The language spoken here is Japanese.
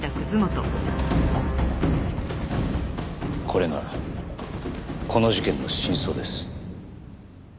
これがこの事件の真相です。